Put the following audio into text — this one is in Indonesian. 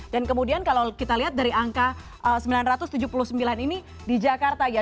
dan kemudian kalau kita lihat dari angka sembilan ratus tujuh puluh sembilan ini di jakarta